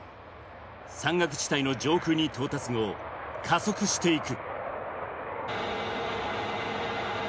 山岳地帯の上空に到達後、加速していく。